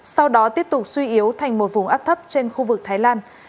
sau đó tiếp tục suy yếu thành một vùng áp thấp trên khu vực thái lan